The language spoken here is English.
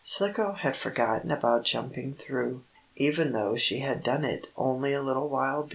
Slicko had forgotten about jumping through, even though she had done it only a little while before.